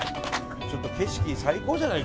ちょっと景色最高じゃない？